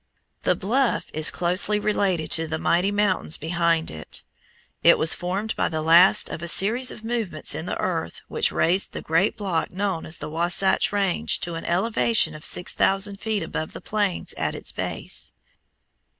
The bluff is closely related to the mighty mountains behind it. It was formed by the last of a series of movements in the earth which raised the great block known as the Wasatch Range to an elevation of six thousand feet above the plains at its base.